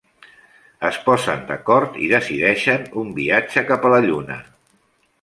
Es posen d'acord i decideixen un viatge cap a la Lluna.